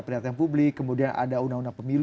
perhatian publik kemudian ada undang undang pemilu